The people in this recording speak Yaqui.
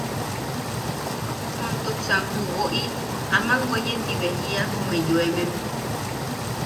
Juntuksan ju woʼi aman weye ti bea jiia jume yoemem: